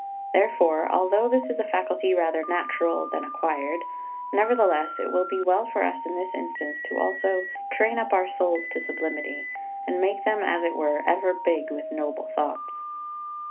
Therefore, although this is a faculty rather natural than acquired, nevertheless it will be well for us in this instance also to train up our souls to sublimity, and make them as it were ever big with noble thoughts.